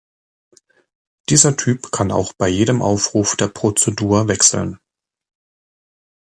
Dieser Typ kann auch bei jedem Aufruf der Prozedur wechseln.